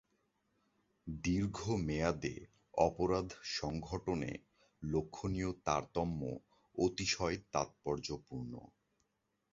দীর্ঘ মেয়াদে অপরাধ সংঘটনে লক্ষনীয় তারতম্য অতিশয় তাৎপর্যপূর্ণ।